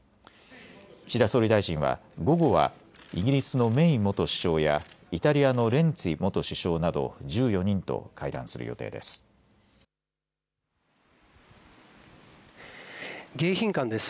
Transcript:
岸田総理大臣は午後はイギリスのメイ元首相やイタリアのレンツィ元首相など１４人と会談する予定です。